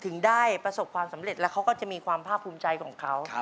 ถึงได้ประสบความสำเร็จแล้วเขาก็จะมีความภาคภูมิใจของเขา